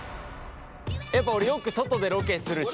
やっぱ俺よく外でロケするし。